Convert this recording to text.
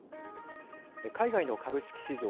海外の株式市場